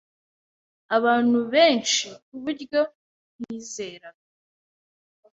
Abantu benshi kuburyo ntizeraga